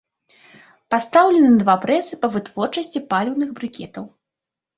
Пастаўлены два прэсы па вытворчасці паліўных брыкетаў.